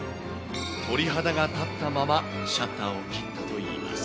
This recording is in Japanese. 鳥肌が立ったまま、シャッターを切ったといいます。